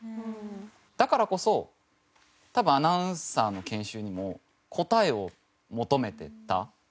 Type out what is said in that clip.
だからこそ多分アナウンサーの研修にも答えを求めてた。